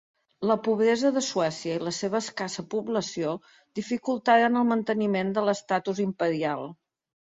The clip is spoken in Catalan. La pobresa de Suècia i la seva escassa població dificultaren el manteniment de l'estatus imperial.